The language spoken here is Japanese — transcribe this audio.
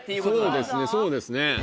そうですねそうですね。